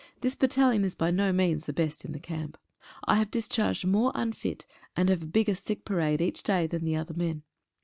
This Battalion is by no means the best in the camp. I have discharged more unfit, and have a bigger sick parade each day than the other men.